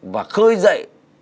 và khơi dậy